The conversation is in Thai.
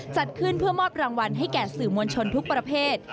จัดขึ้นเพื่อมอบรางวัลให้แก่สื่อมวลชนทุกประเภท